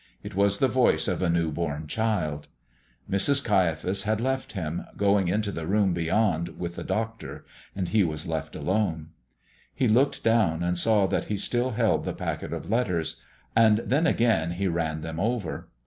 It was the voice of a newborn child. Mrs. Caiaphas had left him, going into the room beyond with the doctor, and he was left alone. He looked down and saw that he still held the packet of letters, and then again he ran them over.